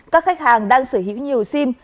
các khách hàng đang sở hữu nhiều sim